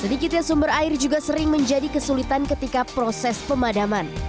sedikitnya sumber air juga sering menjadi kesulitan ketika program